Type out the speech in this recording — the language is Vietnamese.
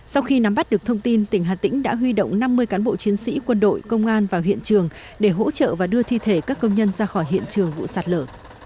sau khi nắm bắt được thông tin tỉnh hà tĩnh đã huy động năm mươi cán bộ chiến sĩ quân đội công an vào hiện trường để hỗ trợ và đưa thi thể các công nhân ra khỏi hiện trường vụ sạt lở